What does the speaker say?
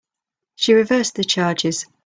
She reversed the charges.